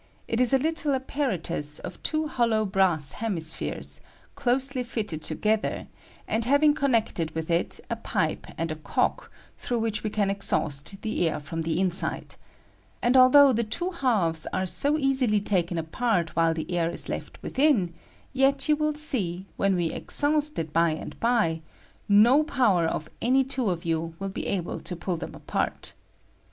It is a little apparatus of two hoUow brass hemispheres, ^^L closely fitted together, and having connected ^^H with it a pipe and a cock, through which we ^^^L Can exhaust the air from the inside; and al ^^H though the two halves are so easily taken ^^K apart while the air ia left within, yet you will i^ ' THE SUCEEB. see, when we exhaust it by and by, no power (rf any two of yoa will be able to pall them ^art.